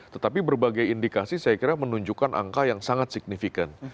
tetapi berbagai indikasi saya kira menunjukkan angka yang sangat signifikan